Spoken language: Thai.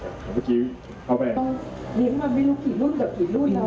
นึกว่าไม่รู้คนลุ่นกับคนรุ่นแล้ว